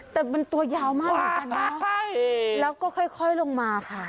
แต่มันตัวยาวมากเหมือนกันนะใช่แล้วก็ค่อยลงมาค่ะ